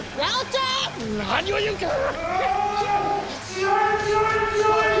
強い強い強い！